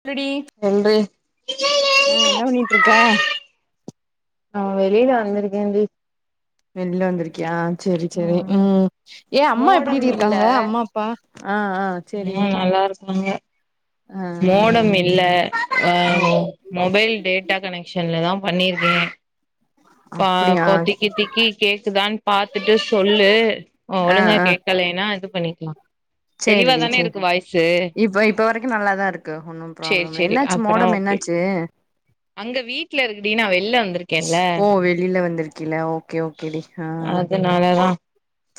சொல்லுடி சொல்றி ஆ என்ன பண்ணிட் இருக்க ஆ வெளியில வந்திருக்கேன்டி வெளில வந்ருக்கியா சரி சரி ம் உம் ஏ அம்மா மோடம் எப்டிடி இல்ல இருக்காங்க அம்மா அப்பா ஆ ஆ செரி ம் நல்லா இருக்காங்க ஆ மோடம் இல்ல ஆ ஆஹ ஓ மொபைல் டேட்டா கனெக்ஷன்ல தா பண்ணிருக்கே பா அப்டியா இப்ப திக்கி திக்கி கேக்குதானு பாத்துட்டு சொல்லு ஓ ஆ ஒழுங்கா கேக்கலனா இது பண்ணிக்லா சேரி டி சேரி இப்ப இப்ப வரைக்கு நல்லாதாருக்கு ஒண்ணு சேரி ப்ராப்ளம் [unintelligible] சேரி என்னாச்சு அப்பனா மோடம் என்னா ஓகே அங்க வீட்ல இருக்குடி நா வெள்ல வந்திருக்கேன்ல ச்சுஓ வெளில வந்திருக்கில ஓ ஓகே ஓகே டி ஆ அதனாலதா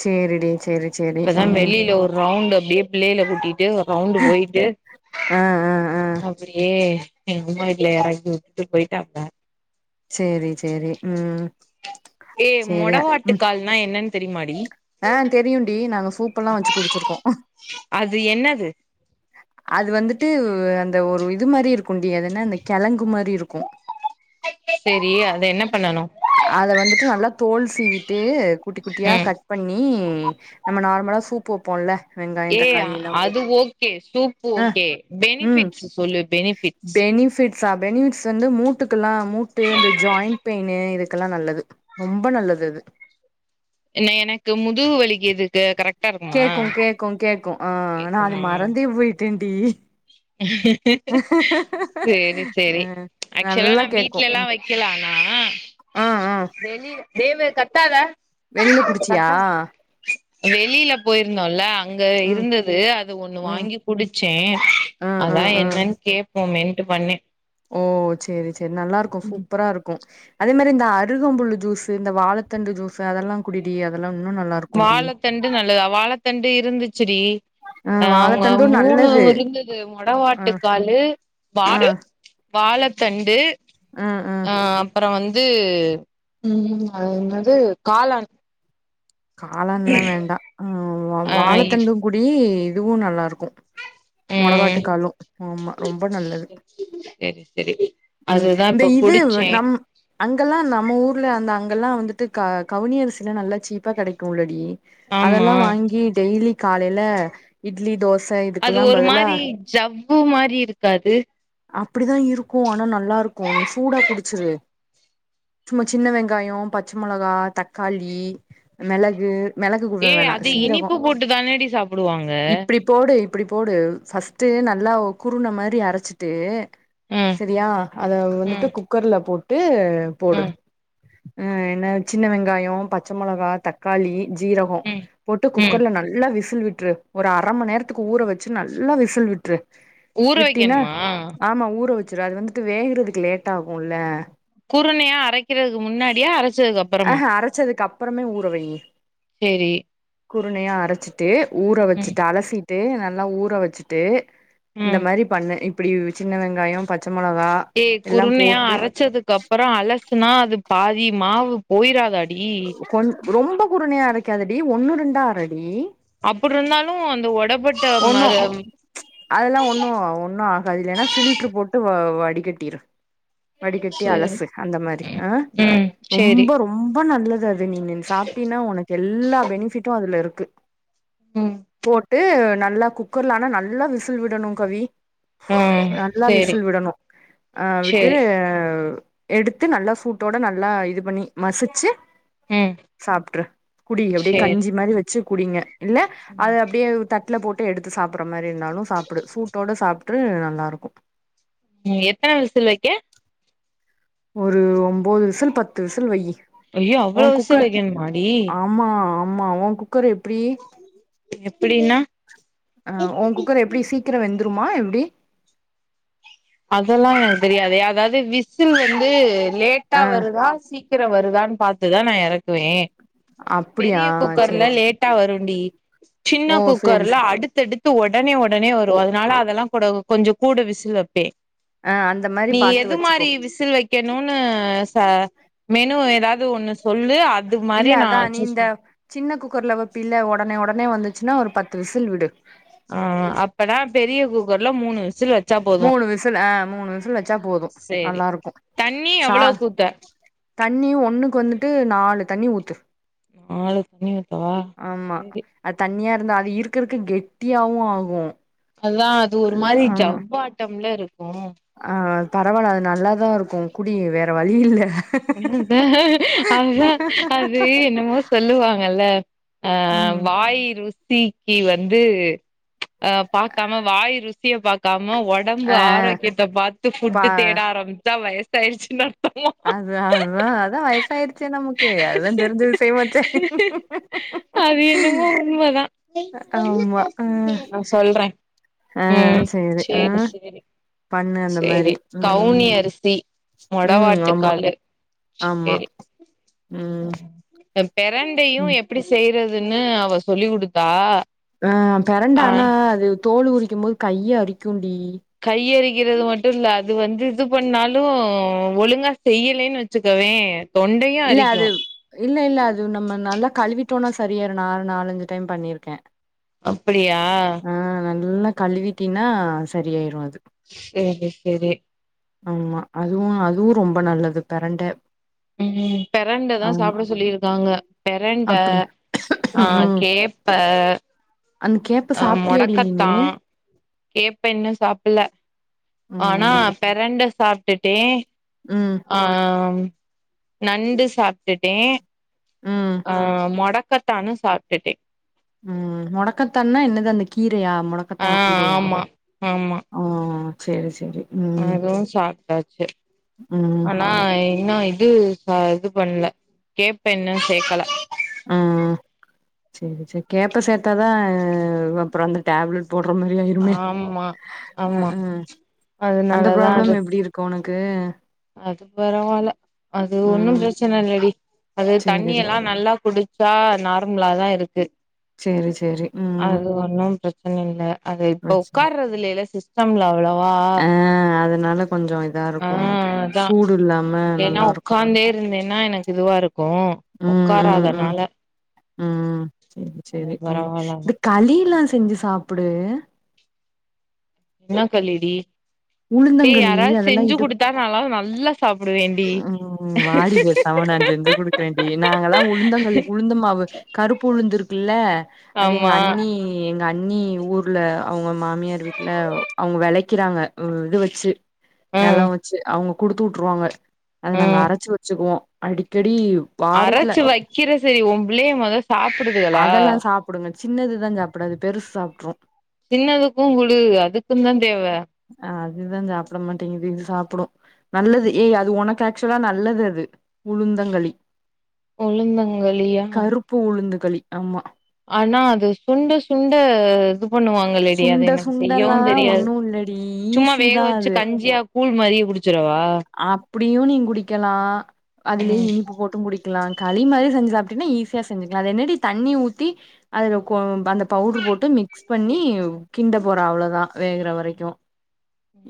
சேரி டி சேரி சேரி பேசாம ம் வெளில ஒரு ரவுண்டு அப்டியே பிள்ளைல கூட்டிட்டு ரவுண்டு் போயிட்டு ஆ ஆ ஆ அப்டியே எங்கம்மா வீட்ல எறக்கி உட்டு போயிட்டாப்ல சேரி சேரி ம் ஏ மொடவாட்டுக்கால்னா என்னன் தெரியுமாடி அ தெரியும் டி நாங்க சூப்பெல்லா வச்சு குடிச்சிருக்கோ அது என்னது அது வந்துட்டு அந்த ஒரு இது மாரி இருக்குடி அது என்ன அந்த கெழங்கு மாரி இருக்கு செரி அத என்ன பண்ணணு அத வந்துட்டு நல்லா தோல் சீவிட்டு குட்டி குட்டியா ம் கட் பண்ணி நம்ம நார்மலா சூப்பு வப்போல ஏ அது ஓகே சூப் ஆ ஓகே பெனிஃபிட்ஸ் சொல்லு பெனிஃபிட்ஸ் ஸ்சா பெனிஃபிட்ஸ் வந்து மூட்டுக்கெல்லா மூட்டு இந்த ஜாயிண்ட் பெயின் இதுக்கெல்லா நல்லது ரொம்ப நல்லது அது இல்ல எனக்கு முதுகு வலிக்கதுக்கு கரெக் கேக்கு கேக்கு கேக்கு அ நா அத கேக்குமா மறந்தே போயிட்டேன்டி சேரி அ சேரி ஆக்சுவலா நல்லா நா கேக்கு வீட்லல்லா ம் வைக்கல ஆனா ஆ ஆ வெளிய வெளில குடிச்சியா வெளியில போயிருந்தோல அங்க ம் இருந்தது அத ஒண்ணு ம் வாங்கி குடிச்சே ஆ ஆ அதா ஆ என்னனு கேப்போமன்ட்டு பண்ணே ஓ சேரி சேரி நல்லாருக்கு சூப்ப சூப்பராருக்கு அதே மரி இந்த அருகம்புல்லு ஜூசு இந்த வாழத்தண்டு ஜூசு அதெல்லா குடி டி அதெல்லா இன்னு நல்லா இருக்குடி தண்டு நல்லதா வாழத்தண்டு இருந்துச்சுடி ஆ அ அவுங்க வாழத்தண்டு மூணு நல்லது இருந்தது ஆ மொடவாட்டுக்காலு ஆ வாழு வாழத்தண்டு அ அ ஆ அப்பற வந்து ம் அது என்னது காளான் காலான்லா வேண்டா ஆ வாழதண்டும் கூடி இதுவு நல்லா இருக்கு ம் மொடவாட்டுக்காலு ஆமா ரொம்ப நல்லது செரி செரி உம் அதுதா இந்த இப்ப இதுவ் குடிச்சே நம் அங்கல்லா நம்ம ஊர்ல அந்த அங்கெல்லா வந்துட்டு க கவுனி அரிசிலா நல்லா சீப்பா கெடைக்கு இல்லடி ஆமா அதெல்லா வாங்கி டெய்லி காலைல இட்லி தோச அது இதுக்கெல்லா ஒரு பதிலா மாறி ஜவ்வு மாறி இருக்காது அப்டிதா இருக்கு ஆனா நல்லா இருக்கு நீ சூடா குடிச்சுரு சும்மா சின்ன வெங்காயோ பச்ச மொளகா தக்காளி மெளகு மெளகு குடுக்க ஏ வேணா அது சீரகோ இனிப்பு போட்டு தானடி சாப்புடுவாங்க இப்டி போடு இப்டி போடு ஃபஸ்ட்டு நல்லா குருன மாரி அரச்சுட்டு ம் செரியா அத வந்துட்டு ம் குக்கர்ல போட்டு போடு ம் அ என்ன சின்ன வெங்காயோ பச்ச மொளகா தக்காளி ஜீரகோ ம் போட்டு ம் குக்கர்ல நல்லா விசில் விட்ரு ஒரு அரமணி நேரத்துக்கு ஊற வச்சு நல்லா விசில் விட்டுரு ஊற விட்டினா வைக்கணுமா ஆமா ஊற வச் சுரு அது வந்துட்டு வேகுறதுக்கு லேட் ஆகுல்ல குருணையா அரைக்கிறதுக்கு முன்னாடியா அரைச்சதுக்கு அப்பறமா அரைச்சதுக்கு அப் ப்பறமே ஊர வைய்க சேரி குருணையா அரைச்சுட்டு ஊற ம் வச்சுட்டு அலசிட்டு நல்லா ஊற வச்சுட்டு இந்த ம் மாரி பண்ணு இப்டி சின்ன வெங்காயோ பச்ச மொளகா ஏ எல்லா குருணையா போட்டு அரச்சதுக்கு அப்பறோ அலசுனா அது பாதி மாவு போயிராதாட் ஒன் ரொம்ப குருணையா அரைக்காதடி ஒண்ணு ரெண்டா அர டி அப்டிருந்தாலு அந்த ஒட பட் ஒன்னு அதெல்லா ஒன்னு ஒன்னு ஆகாது இல்லன்னா பிட்ல்ரு போட்டு வ வடிகட்டிரு வடிக்கட்டி சேரி அலசு அந்த மாரி ஆ ம் சேரி ரொம்ப ரொம்ப நல்லது அது இது நீ நின் சாப்ட்டீனா ஒனக்கு எல்லா பெனிபிட்டு அதுல இருக்கு ம் போட் ட்டு நல்லா குக்கர்லன்னா நல்லா விசில் விடணு கவி ம் நல்லா சேரி விசில் விடணு அ விட் சேரி ட்ட எடுத்து நல்லா சூட்டோட நல்லா இது பண்ணி மசிச்சு ம் சாப்ட்ரு குடி அப்டியே சேரி கஞ்சி மாரி வச்சு குடிங்க இல்ல அது அப்டியே தட் ட்ல போட்டு எடுத்து சாப்புர்ற மாரி இருந்தாலு சாப்புடு சூட்டோட சாப்ட்டு நல்லா இருக்கு எ எத்தன விசில் வக்க ஒரு ஒம்போது விசில் பத்து விசல் வையி அய்யோ ஓ அவ்ளோ விசுல் குக்கர் வக்கனு மாடி ஆமா ஆமா ஓ குக்கர் எப்டி எப்டின்னா ஆ ஓ குக்கர் எப்டி சீக்கிரோ வெந்துருமா எப்டி அதெல்லா எனக்கு தெரியதே அதாவது விசில் வந்து லேட்டா ஆ வருதா சீக் கிறோ வருதான்னு பாத்து தா நா எறக்குவே அப்டியா பெரிய குக்கர்ல சேரி சேரி லேட் டா வருண்டி சின்ன ஓ சேரி குக்கர்ல சே அடுத்தடுத்து ஒட் ஒடனே ஒடனே வரு ஓ அதுனால அதெல்லா கூட கொஞ்சோ கூட விசில் வப்பே ஆ அந்த மாரி நீ பாத்து எது வச்சுக்கோ மாரி விஸ் சில் வைக்கணுன்னு சா மெனு எதாவது ஒன்னு சொல்லு அத் அது இல்ல மாரி நா அதா அச்ச நீ இந்த சின்ன குக்கர்ல வப்பீல ஒடனே ஒடனே வந்துச்சுன்னா ஒரு பத்து விசில் விடு ஆ அப்பனா பெரிய குக்கர்ல மூணு விசில் வச் மூணு விசில் ஆ மூணு விசல் வச்சா போது சேரி நல்லா இருக்கு தண்ணி சா எவ்ளோக்கு ஊத்த தண்ணியு ஒன்னுக்கு வந்துட்டு நாலு தண்ணி ஊத்து நாலு தண்ணி ஊத்தவா ஆமா சேரி அது தண்ணியா இருந்தா அது இருக்க இருக்க கெட்டியாவு ஆகு அதா அது ஒரு மாரி ஆமா ஜவ்வாட்டம்ல இருக்கு ஆ பரவால்ல அது நல்லாதா இருக்கு குடி வேற வழி இல்ல அதா அது என்னமோ சொல்லுவாங்கல ஆ ம் வாய் ருசி நீ வந்து ஆ பாக்காம வாய் ருசிய பாக்காம ஒ டம்பு ஆ ஆரோக்கியத்த பாத்து பா ஃபுட்டு் தேட ஆரமிச்சா வயசாய்டுச்சுன் அற்த்தமா அதா அதா அதா வயசாய்டுச்சே நமக்கு அதுதா தெரிஞ்ச விசயமாச்சே அது என்னமோ உண்மதா ஆமா ஆ ஆ ம் ஆ சேரி சேரி பண்ணு அந்த சேரி மாரி ம் கவுனி அரிசி ம் மொடவாட்டு ஆமா காலு ஆமா ம் இந்த பெரண்டையு ம் எப்டி செய்றதுன்னு அவ சொல்லி குடுத்தா ஆ பெரண்ட ஆ ஆனா அது தோல் உரிக்குமோது கைய அரிக்குண்டி கையரிக்கிறது மட்டு இல்ல அது வந்து இது பண்ணாலு ஒழுங்கா செய்யலேன் வச்சுக்கோவே இல்ல அது இல்ல இல்ல அது நம்ம நல்லா கழுவிட்டோனா சரியாய்ரு நானு நாலஞ்சு டைம் பண்ணிருக்கே அப்புடியா ஆ நல்லா கழுவிட்டீனா சரியாய்ரு அது சேரி சேரி ஆமா அதுவு அதுவு ரொம்ப நல்லது பெரண்ட ம் பெரண்டதா ஆமா சாப்ட சொல்லிருக்காங்க பெரண்ட அப்டி ஆ ம் கேப்ப அந்த கேப்ப அ சாப்ட்டியாடி மொடக்கத்தா நீனு கேப்ப இன்னு சாப்புல ஆனா ம் பெரண்ட சாப்ட்டுட்டே ம் ஆ நண்டு சாப்ட்டுட்டே ம் ஆ மொடக்கத்தானு சாப்ட்டுட்டே ம் மொடக்கத்தான்னா என்னது அந்த கீரையா ஆ மொடக்கத்தான் கீரையா ஆமா ஆமா ஆ சேரி சேரி ம் அதுவு சாப்ட்டாச்சு ம் ஆனா இன்னு இது சா இது பண்ல கேப்ப இன்னு சேக்கல ஆ சேரி சேர் கேப்ப சேத்தாதா அப்றோ அந்த டேப்லெட் போட்றமாரி ஆய்ருமே ஆமா அ ஆமா அ அந்த அதனாலதா ப்ராப்ளம் அது எப்டி இரு க்கு ஒனக்கு அது பரவால்ல அது ஒன்னு ம் பிரச்சன இல்லடி அது தண்ணி சேரிடி எல்லா நல்லா குடி ச்சா நார்ம்லாதா இருக்கு சேரி சேரி ம் அது ஒன்னு பிரச்சன இல்ல அது இப்போ பிரச்சன உக்கார்ற துலேல சிஸ்டம்ல அவ்ளோவா ஆ அதனால கொஞ்சோ இதா ஆ இருக்கு உனக்கு அதா சூடு இல்லாம ஏனா நல்லாருக்கு உக்காந் தே இருந்தேனா எனக்கு இதுவா இருக்கு ம் ம் ம் உக்காராதனால ம் சேரி சேரி ம் இந்த களிலா செஞ்சு சாப்புடு என்ன களி டி ஏ உளுந்தங்களி யாராது அதெல்லா செஞ்சு இடு குடுத்தா நாளா நல்லா சாப்புடுவேண்டி ம் வாடி பேசாம நா செஞ்சு குடுக்குறேன்டி நாங்கல்லா உளுந்தங்களி உளுந்த மாவு கருப்பு உளுந்து இருக்குல்ல அது எங்க ஆமா அண்ணி எங் எங்க அண்ணி ஊர்ல அவுங்க மாமியார் வீட்ல அவுங்க வெளைக்கிறாங்க இது வெச்சு நெலோ ம் வெச்சு அவுங்க குடுத்து உட்ருவாங்க அத நாங்க ம் அரைச்சு வெச்சுக்வோ அடிக்கடி வாரத்துல அரைச்சு வெக்கிற செரி உங்க புள்ளைங்க மொத சாப்டுதுகளா குடுங்க சின்னதுதா சாப்டாது பெருசு சாப்ட்று சின்னதுக்கு குடு அதுக்குன் தா தேவ ஆ அதுதா சாப்ட மாட்டேங்கிது இது சாப்புடு நல்லது ஏய் அது உனக்கு ஆஃக்சுவலா நல்லது அது உளுந்தங்களி உளுந்தங்களியா உப்பு உளுந்துக்களி ஆமா ஆனா அது சுண்ட சுண்ட இது பண்ணுவாங் களேடி அது சுண்ட எனக்கு சுண்டல்லா செய்யவு தெரியாது ஒன்னு இல்லடி சும்மா ஈஸி வேக தா வெச்சு அது கஞ்சியா கூல் மாரியே குடிச்சிறவா அப்பிடியு நீ குடிக்கலா அதுலயு ம் இனிப்பு போட்டு குடிக்கலா களி மாதிரி செஞ்சி சாப்படீன்னா ஈஸியா செஞ்க்கலா அது என்னடி தண்ணி ஊத்தி அதுல அந்த பவுடர் போட்டு மிக்ஸ் பண்ணி கிண்ட போற அவ்ளோதா வேகுற வரைக்கு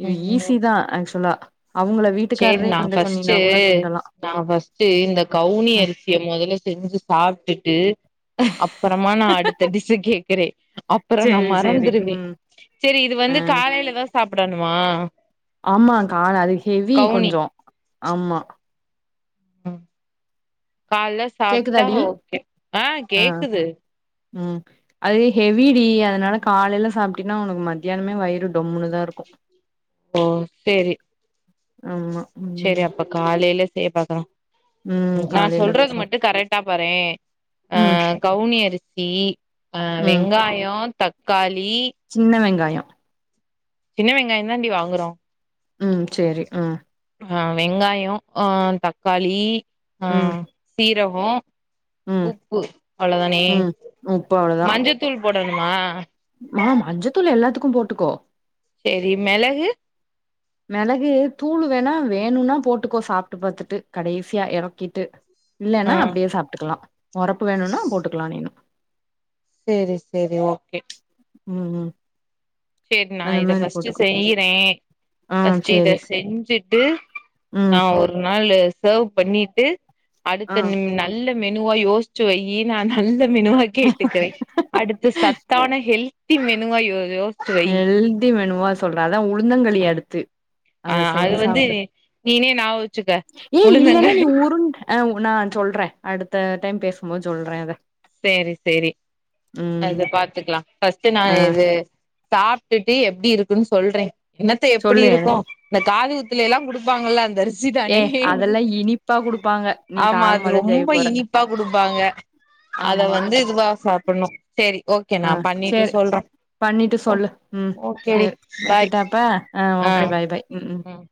இது ம் ஈஸி தா ஆக்சுவலா அவங்கள வீட் சேரி நா ஃபஸ்ட்டு நா ஃபஸ்ட்டு இந்த கவுனி ம் அரிசிய மொதல்ல செஞ்சு சாப்ட்டுட்டு அப்பறமா நா அடுத்த டிஸ்ச கேக்குறே அப்புற நா சேரி சேரி மறந்துடுவே ம் சேரி இது அ வந்து காலையில தா சாப்படணுமா ஆமா கான அது ஹெவி கொஞ்சோ ஆமா ம் கால்ல சாப்ட்டா கேக்குதாடி ஓகே ஆ கேக்குது ம் அது ஹெவிடி அதனால காலையில சாப்பிட்டின்னா உனக்கு மத்தியானமே வயிறு டொம்முனுதா இருக்கு ஓ சேரி ஆமா ம் சேரி அப்ப காலையில செய்யப்பாக்கற ம் நா காலைல இப்ப சொல்றது சா மட்டு கரெக்டா பாறே ஆ ம் கவுனி அரிசி ம் வெங்காயோ தக்காளி சின்ன வெங்காயோ சின்ன வெங்காயோ தாண்டி வாங்குறோ ம் சேரி ம் ஆ வெங்காயோ அ தக்காளி அ ம் சீரகோ ம் உப்பு அவ்ளோவுதானே ம் உப்பு அவ்ளோதா மஞ்சத்தூள் போடணுமா மா மஞ்சத்தூள் எல்லாத்துக்கு போட்டுக்கோ செரி மெளகு மெளகு தூள் வேணா வேணும்னா போட்டுக்கோ சாப்பிட்டு பாத்துட்டு கடைசியா இறக்கிட்டு ஆ இல்லன்னா அப்படியே சாப்ட்டுக்கலா ஒறப்பு வேணுன்னா போட்டுக்கலா நீனு சேரி சேரி ஓகே ம் ம் சேரி நா அந்த இத மாரி ஃபஸ்ட் போட்டுக்கோ செய்யறே ஆ ஃபஸ்ட் இத சேரி செஞ்சுட்டு நா ம் ஒரு ஒரு நாளு சேவ் பண்ணிட்டு ஆ அடுத்த நல்ல மெனுவா யோசிச்சு வெய்யி நா நல்ல மெனுவா கேட்டுக்கிறே அடுத்த சத்தான ஹெல் த்தி மெனுவா யோ வையி ஹெல்த்தி மெனுவா சொல்ற அதா உளுந்தங்களி அடுத்து ஆ அத அது செஞ்சு வந்து சாப்பிடு நீனே ஞாபக வச்சுக்க ஏ இல்லன்னா முள்ளங்கி நீ உருண்ட் ஆ நா சொல்றே அடுத்த டைம் பேசும்போது சொல்றே அத சேரி சேரி ம் அத பாத்துக்கலா ஃபஸ்ட் நா ஆ இது சாப்ட்டுட்டு எப்படி இருக்குன்னு சொல்றே என்னத்த எப்படி சொல்லு என இருக்கு இந்த காது குத்துலல்லா குடுப்பாங்கல்ல அந்த அரிசி ஏ ரிசிதானே அதெல்லா இனிப்பா குடுப்பாங்க நீ ஆமா அது காரமாதா செய்ய ரொம்ப போற இனிப்பா குடுப்பாங்க அத ஆமா வந்து இதுவா சாப்பிடணு செரி ஓகே ஆ நா பண்ணிட்டு சேரி சொல்றே பண்ணிட்டு சொல்லு ம் ஓகேடி செரி பாய் வைக்கட்டா இப்ப ஆ ஓகே பாய் பாய் ம்ம் ம்